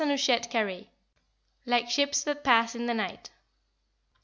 CHAPTER XVII. "LIKE SHIPS THAT PASS IN THE NIGHT."